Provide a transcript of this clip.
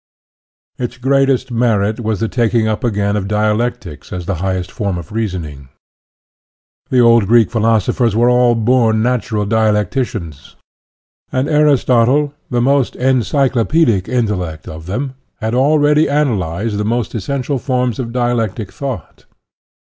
Its greatest merit was the taking up again of dialectics as the highest form of reasoning. The old Greek philosophers were all born natural dialecticians, and Aristotle, the most en cyclopaedic intellect of them, had already analyzed the most essential forms of dialec tic thought.